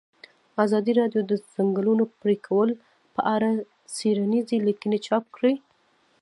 ازادي راډیو د د ځنګلونو پرېکول په اړه څېړنیزې لیکنې چاپ کړي.